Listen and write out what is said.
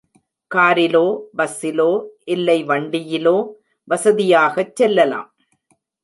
காரிலோ, பஸ்ஸிலோ, இல்லை வண்டியிலோ வசதியாகச் செல்லலாம்.